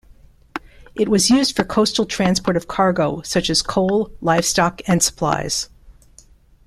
It was used for coastal transport of cargo such as coal, livestock, and supplies.